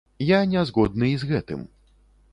Я не згодны і з гэтым.